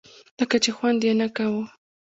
لکه چې خوند یې نه کاوه.